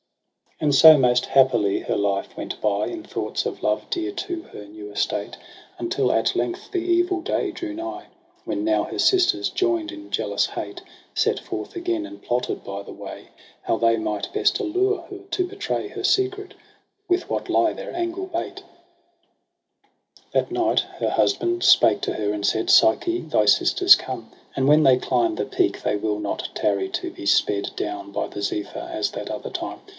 ao And so most happily her life went by. In thoughts of love dear to her new estate^ Until at length the evil day drew nigh. When now her sisters, joined in jealous hate. Set forth again, and plotted by the way How they might best allure her to betray Her secret • with what lie their angle bait. ii8 EROS ^ PSYCHE zi That night her husband spake to her, and said ' Psyche, thy sisters come : and when they climb The peak they will not tarry to be sped Down by the Zephyr, as that other time.